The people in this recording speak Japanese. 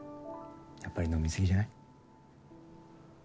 やっぱり飲みすぎじゃない？